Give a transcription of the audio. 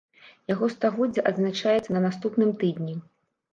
Яго стагоддзе адзначаецца на наступным тыдні.